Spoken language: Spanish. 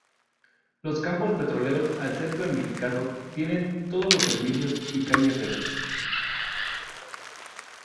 Los campos petroleros al ser planificados, tienen todos los servicios y calles rectas.